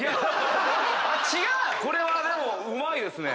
これはでもうまいですね。